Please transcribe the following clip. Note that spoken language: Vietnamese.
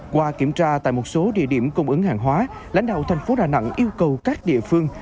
qua kiểm tra tại một số địa điểm cung ứng hàng hóa lãnh đạo thành phố đà nẵng yêu cầu các địa phương